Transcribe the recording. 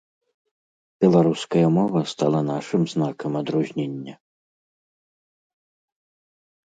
Беларуская мова стала нашым знакам адрознення.